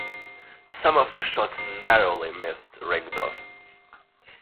Some of the shots narrowly missed "Ringdove".